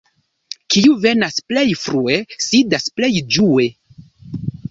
Kiu venas plej frue, sidas plej ĝue.